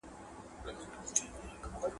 ماشومان په سفر کې ډېر شیان زده کوي.